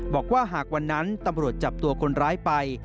บอกว่าหากวันนั้นตำรวจจับตัวคนร้ายไป